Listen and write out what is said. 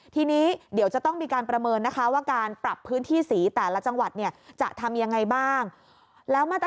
ทีนี้เดี๋ยวจะต้องมีการประเมินว่าการปรับพื้นที่สีแต่ละจังหวัด